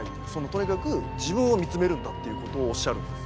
とにかく自分を見つめるんだっていうことをおっしゃるんです。